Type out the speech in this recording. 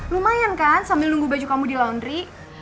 lumayan kan sambil nunggu baju kamu di laundry